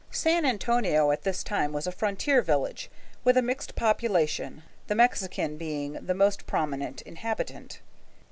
San Antonio at this time was a frontier village, with a mixed population, the Mexican being the most prominent inhabitant.